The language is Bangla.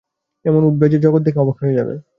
এমন উঠবে যে, জগৎ দেখে অবাক হয়ে যাবে।